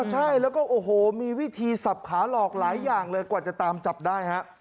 ใช่แล้วก็โอ้โหมีวิธีสับขาหลอกหลายอย่างเลยกว่าจะตามจับได้ฮะ